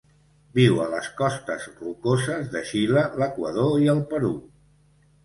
Viu a les costes rocoses de Xile, l'Equador i el Perú.